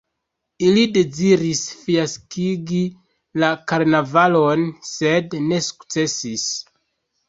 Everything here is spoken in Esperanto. Ili deziris fiaskigi la karnavalon, sed ne sukcesis.